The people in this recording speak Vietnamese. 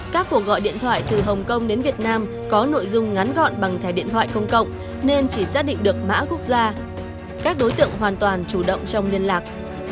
chuyên án bốn trăm linh tám p một chuyên án có nội dung ngắn gọn bằng thẻ điện thoại công cộng nên chỉ xác định được mã quốc gia các đối tượng hoàn toàn chủ động trong liên lạc